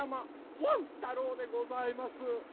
ワン太郎でございます！